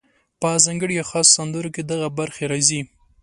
په ځانګړو یا خاصو سندرو کې دغه برخې راځي: